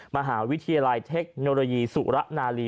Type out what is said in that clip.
มหาวิทยาลัยเทคโนโลยีสุระนาลี